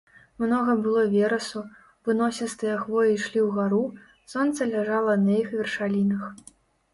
Многа было верасу, выносістыя хвоі ішлі ўгару, сонца ляжала на іх вяршалінах.